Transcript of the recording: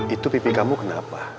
itu pipi kamu kenapa